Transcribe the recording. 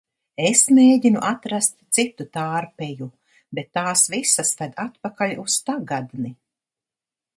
Es mēģinu atrast citu tārpeju, bet tās visas ved atpakaļ uz tagadni!